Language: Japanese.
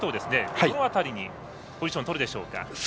どの辺りにポジションとるでしょうか。